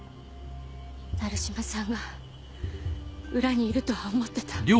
成島さんが裏にいるとは思ってた。